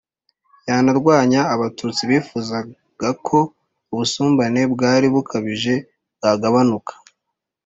yanarwanywa abatutsi bifuzaga ko ubusumbane bwari bukabije bwagabanuka,